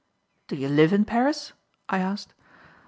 "Do you live in Paris?" I asked.